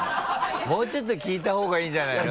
もうちょっと聞いたほうがいいんじゃないの？